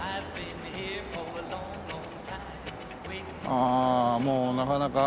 ああもうなかなか。